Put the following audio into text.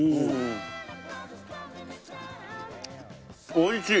おいしい！